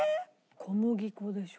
小麦粉でしょ？